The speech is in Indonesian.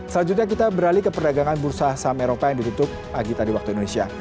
selanjutnya kita beralih ke perdagangan bursa saham eropa yang ditutup pagi tadi waktu indonesia